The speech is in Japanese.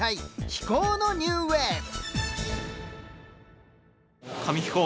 「飛行のニューウェーブ」。